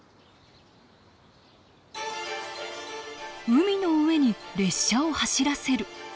海の上に列車を走らせる。